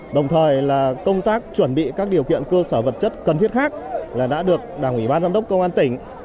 đồng thời là công tác chuẩn bị các điều kiện cơ sở vật chất cần thiết khác là đã được đảng ủy ban giám đốc công an tỉnh